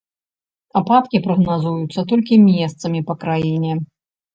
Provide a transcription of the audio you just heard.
Ападкі прагназуюцца толькі месцамі па краіне.